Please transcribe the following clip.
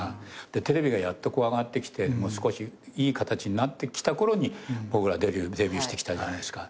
でテレビがやっと上がってきて少しいいかたちになってきたころに僕らデビューしてきたじゃないですか。